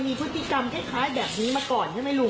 มีพฤติกรรมคล้ายแบบนี้มาก่อนใช่ไหมลุง